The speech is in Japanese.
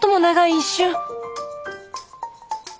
一瞬？